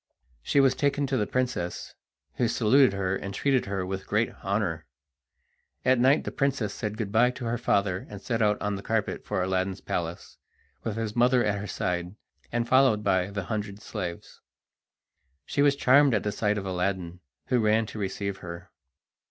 She was taken to the princess, who saluted her and treated her with great honour. At night the princess said good bye to her father, and set out on the carpet for Aladdin's palace, with his mother at her side, and followed by the hundred slaves. She was charmed at the sight of Aladdin, who ran to receive her.